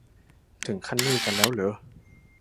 ถึงขั้นนี่กันแล้วเหรอ